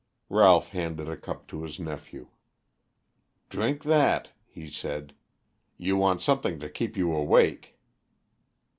Ralph handed a cup to his nephew. "Drink that," he said. "You want something to keep you awake."